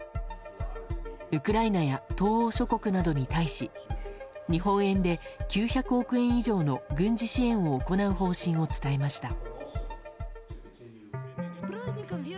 ウクライナや東欧諸国などに対し日本円で９００億円以上の軍事支援を行う方針を伝えました。